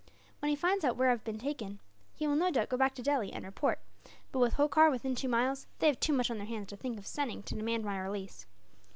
When he finds out where I have been taken, he will no doubt go back to Delhi, and report; but with Holkar within two miles, they have too much on their hands to think of sending to demand my release.